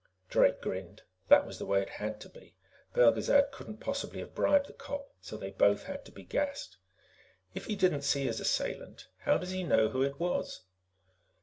Drake grinned. That was the way it had to be. Belgezad couldn't possibly have bribed the cop, so they both had to be gassed. "If he didn't see his assailant, how does he know who it was?"